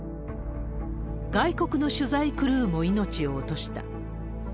外国の取材クルーも命を落とした。